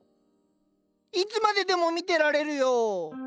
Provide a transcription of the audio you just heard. いつまででも見てられるよ。